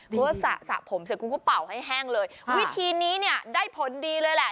เพราะว่าสระผมเสร็จคุณก็เป่าให้แห้งเลยวิธีนี้เนี่ยได้ผลดีเลยแหละ